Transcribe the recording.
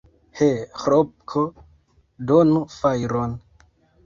He, Ĥlopko, donu fajron!